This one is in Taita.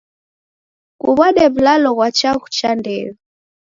Kuw'ade w'ulalo ghwa chaghu cha ndeyo.